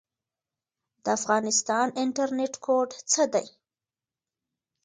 د افغانستان انټرنیټ کوډ څه دی؟